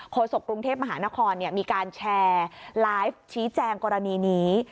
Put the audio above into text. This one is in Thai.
โศกกรุงเทพมหานครมีการแชร์ไลฟ์ชี้แจงกรณีนี้